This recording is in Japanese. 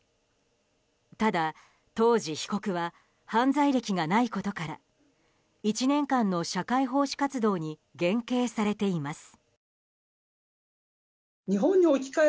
ただ、当時被告は犯罪歴がないことから１年会の社会奉仕活動に減刑されています。